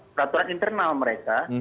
peraturan internal mereka